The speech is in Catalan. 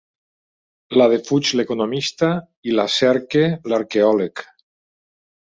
La defuig l'economista i la cerca l'arqueòleg.